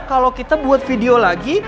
kalau kita buat video lagi